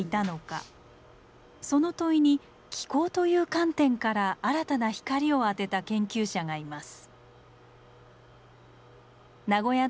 その問いに気候という観点から新たな光を当てた研究者がいます。